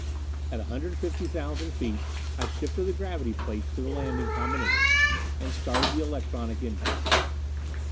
At a hundred and fifty thousand feet I shifted the gravity plates to the landing combinations, and started the electronic engines.